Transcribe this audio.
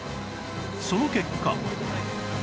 その結果